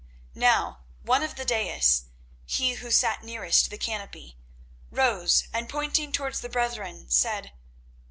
Now one of the daïs, he who sat nearest the canopy, rose and pointing towards the brethren, said.